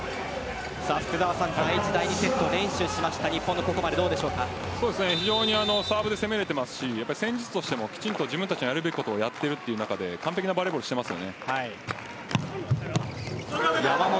第１、第２セット連取しました日本サーブで攻められていますし戦術としても自分たちのやるべきことをやっている中で完璧なバレーボールをしています。